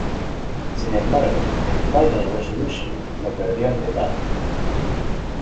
Sin embargo, en Final Resolution lo perdió ante Tara.